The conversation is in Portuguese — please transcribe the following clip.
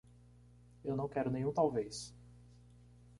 Eu não quero nenhum talvez.